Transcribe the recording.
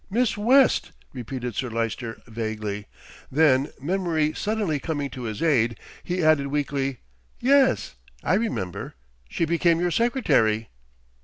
"Miss West!" repeated Sir Lyster vaguely, then memory suddenly coming to his aid he added weakly, "Yes, I remember. She became your secretary."